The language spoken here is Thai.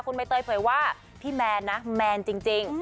คุณใบเตยเผยว่าพี่แมนนะแมนจริง